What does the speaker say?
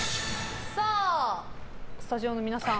スタジオの皆さん